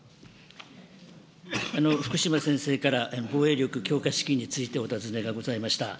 福島先生から防衛力強化資金についてお尋ねがございました。